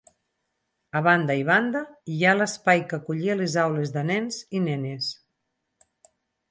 A banda i banda hi ha l'espai que acollia les aules de nens i nenes.